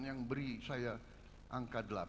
yang beri saya angka delapan